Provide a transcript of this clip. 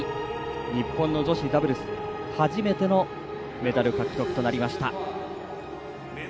日本の女子ダブルス初めてのメダル獲得となりました。